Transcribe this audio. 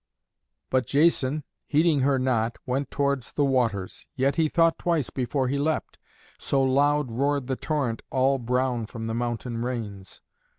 But Jason, heeding her not, went towards the waters. Yet he thought twice before he leapt, so loud roared the torrent all brown from the mountain rains.